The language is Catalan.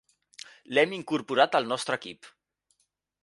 L'hem incorporat al nostre equip.